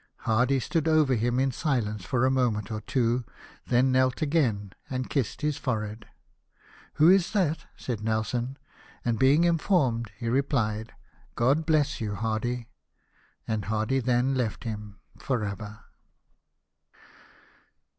Hardy stood over him in silence for a moment or two, then knelt again and kissed his forehead. " Who is that ?" said Nelson ; and being informed, he replied, " God bless you, Hardy." And Hardy then left him — for ever.